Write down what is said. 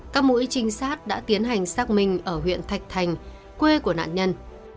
các mũi trinh sát đã tiến hành xác minh ở huyện thạch thành quê của nạn nhân